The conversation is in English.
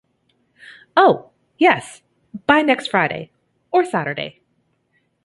Oh yes, by next Friday or Saturday.